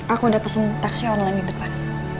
aku udah pesen taksi online di depan